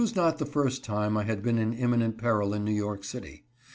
433 not the first time I had been in imminent peril in New York city.